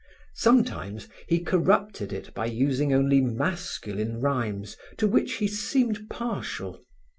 Sometimes he corrupted it by using only masculine rhymes to which he seemed partial.